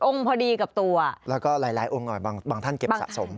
พอดีกับตัวแล้วก็หลายองค์หน่อยบางท่านเก็บสะสม